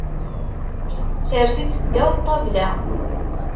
Sers-itt ddaw ṭṭabla.